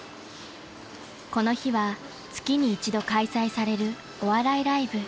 ［この日は月に一度開催されるお笑いライブ］